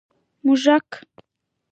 🐁 موږک